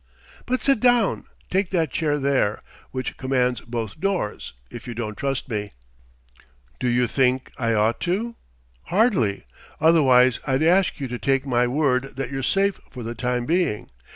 "But sit down: take that chair there, which commands both doors, if you don't trust me." "Do you think I ought to?" "Hardly. Otherwise I'd ask you to take my word that you're safe for the time being.